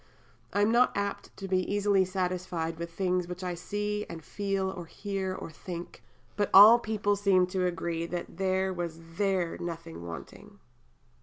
I am not apt to be easily satisfied with the things which I see and feel or hear or think, but all people seem to agree that there was there nothing wanting."